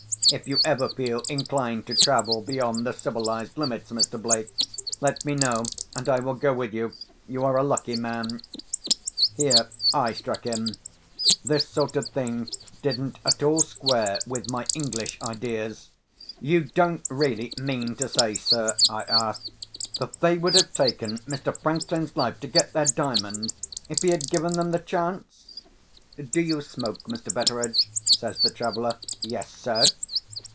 If you ever feel inclined to travel beyond the civilised limits, Mr. Blake, let me know, and I will go with you. You are a lucky man." Here I struck in. This sort of thing didn't at all square with my English ideas. "You don't really mean to say, sir," I asked, "that they would have taken Mr. Franklin's life, to get their Diamond, if he had given them the chance?" "Do you smoke, Mr. Betteredge?" says the traveller. "Yes, sir.